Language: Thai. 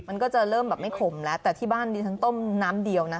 มันก็จะเริ่มแบบไม่ขมแล้วแต่ที่บ้านดิฉันต้มน้ำเดียวนะ